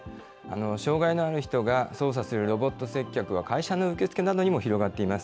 障害のある人が操作するロボット接客は、会社の受付などにも広がっています。